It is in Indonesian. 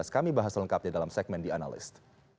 kami bahas selengkapnya dalam segmen the analyst